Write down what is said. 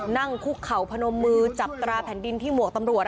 นั่งคุกเข่าพนมมือจับตราแผ่นดินที่หมวกตำรวจ